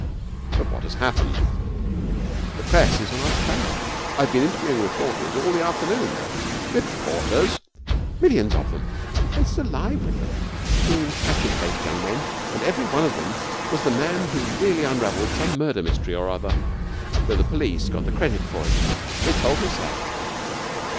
'But what has happened?' 'The press is on our trail. I've been interviewing reporters all the afternoon.' 'Reporters!' 'Millions of them. The place is alive with them. Keen, hatchet faced young men, and every one of them was the man who really unravelled some murder mystery or other, though the police got the credit for it. They told me so.'